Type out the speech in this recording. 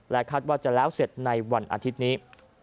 คาดว่าจะแล้วเสร็จในวันอาทิตย์นี้